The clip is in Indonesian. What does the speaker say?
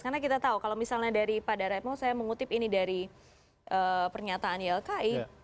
karena kita tahu kalau misalnya dari pak dara emo saya mengutip ini dari pernyataan ylki